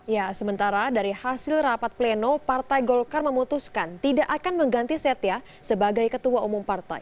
ya sementara dari hasil rapat pleno partai golkar memutuskan tidak akan mengganti setia sebagai ketua umum partai